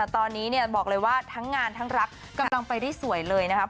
ตอนนี้บอกเลยว่าทั้งงานทั้งรักกำลังไปได้สวยเลยนะครับ